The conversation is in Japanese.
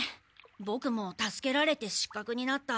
ボクも助けられて失格になった。